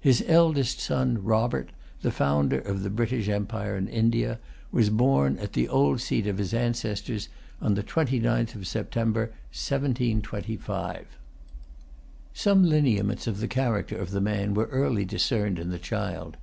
His eldest son, Robert, the founder of the British empire in India, was born at the old seat of his ancestors on the twenty ninth of September, 1725. Some lineaments of the character of the man were early discerned in the child.